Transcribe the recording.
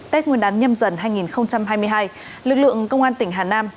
tết nguyên đán nhâm dần hai nghìn hai mươi hai lực lượng công an tỉnh hà nam